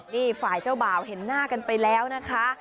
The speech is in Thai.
นี่ฝ่ายเจ้าบ่าวเห็นหน้ากันไปแล้วนะคะ